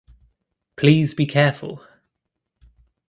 Please be careful!